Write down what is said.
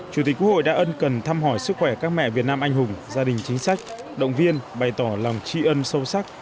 chủ tịch quốc hội đã ân cần thăm hỏi sức khỏe các mẹ việt nam anh hùng gia đình chính sách động viên bày tỏ lòng tri ân sâu sắc